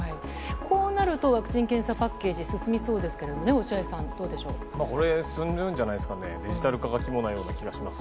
こうなると、ワクチン・検査パッケージ、進みそうですけれどもね、落合さこれ、進んでるんじゃないですかね、デジタル化が肝のような気がします。